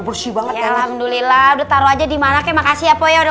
bersih banget ya alhamdulillah udah taruh aja di makasih ya poh ya udah